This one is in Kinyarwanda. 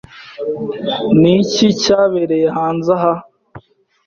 Ni iki cyabereye hanze aha?